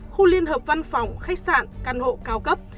khu liên hợp văn phòng khách sạn căn hộ cao cấp